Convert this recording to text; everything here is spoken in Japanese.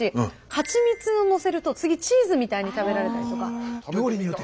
はちみつをのせると次チーズみたいに食べられたりとか。